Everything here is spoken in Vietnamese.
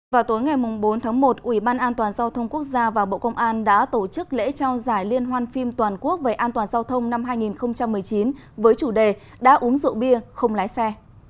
vào tối ngày bốn tháng một ủy ban an toàn giao thông quốc gia và bộ công an đã tổ chức lễ trao giải liên hoan phim toàn quốc về an toàn giao thông năm hai nghìn một mươi chín với chủ đề đã uống rượu bia không lái xe